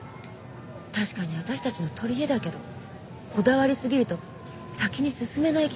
確かに私たちの取り柄だけどこだわりすぎると先に進めない気がするの。